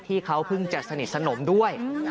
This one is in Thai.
ที่เขาเพิ่งจะสนิทสนมด้วย